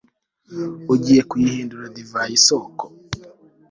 ugiye kuyihindura divayi soko